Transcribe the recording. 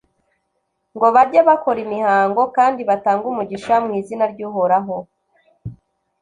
ngo bajye bakora imihango kandi batange umugisha mu izina ry’uhoraho,